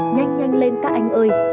nhanh nhanh lên các anh ơi